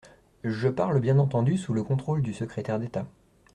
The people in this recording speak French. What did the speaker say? Je parle bien entendu sous le contrôle du secrétaire d’État.